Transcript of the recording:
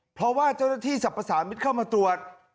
เพราะว่าเจ้าหน้าที่สรรพสามิตรเข้ามาตรวจ